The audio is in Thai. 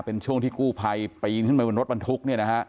เป็นช่วงที่กู้ภัยไปยิงขึ้นมาบนรถบรรทุก